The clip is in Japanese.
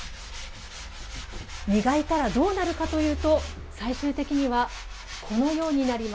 磨いたらどうなるかというと最終的にはこのようになります。